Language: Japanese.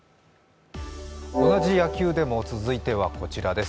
同じ野球でも続いてはこちらです。